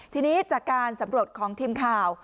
ทีนี้จากการสำรวจของทีมข่าว